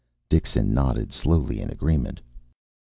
Dixon nodded slowly in agreement.